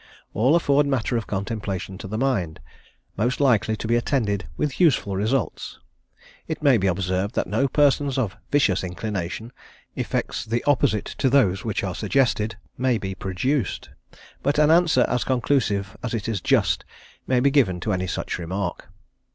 All afford matter of contemplation to the mind, most likely to be attended with useful results. It may be observed that to persons of vicious inclination, effects the opposite to those which are suggested may be produced; but an answer as conclusive as it is just may be given to any such remark.